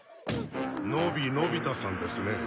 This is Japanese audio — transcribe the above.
野比のび太さんですね？